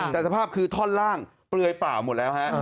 แต่สภาพคือท่อนล่างเปลือยเปล่าหมดแล้วฮะ